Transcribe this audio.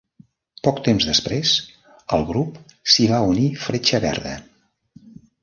Poc temps després, al grup s'hi va unir Fletxa Verda.